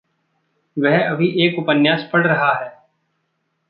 वह अभी एक उपन्यास पढ़ रहा है।